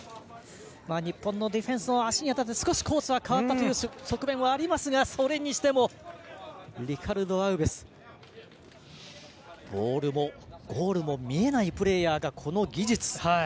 日本のディフェンスの足に当たって少しコースが変わったという側面もありますがそれにしてもリカルド・アウベスボールもゴールも見えないプレーヤーが、この技術。